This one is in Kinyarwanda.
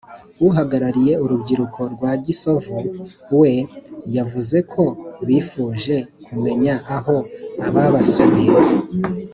uhagarariye urubyiruko rwa gisovu we, yavuze ko bo bifuje kumenya aho ababasuye